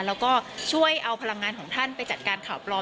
แล้วก็ช่วยเอาพลังงานของท่านไปจัดการข่าวปลอม